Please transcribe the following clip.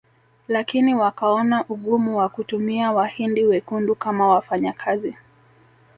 Lakini wakaona ugumu wa kutumia Wahindi wekundu kama wafanyakazi